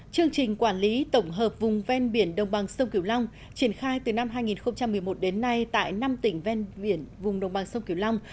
chương trình quản lý tổng hợp vùng ven biển đồng bằng sông cửu long triển khai từ năm hai nghìn một mươi một đến nay tại năm tỉnh ven biển vùng đồng bằng sông kiều long